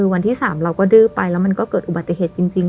วันที่๓เราก็ดื้อไปแล้วมันก็เกิดอุบัติเหตุจริง